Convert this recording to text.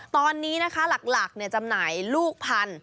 ตอนนี้นะคะหลักจำหน่ายลูกพันธ